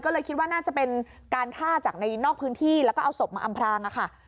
ก็เลยคิดว่าน่าจะเป็นการฆ่าจากในนอกพื้นที่แล้วก็เอาศพมาอำพรางอะค่ะ